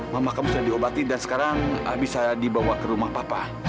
mama kamu sudah diobati dan sekarang bisa dibawa ke rumah papa